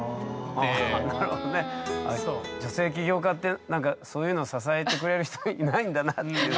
女性起業家ってなんかそういうの支えてくれる人いないんだなっていう。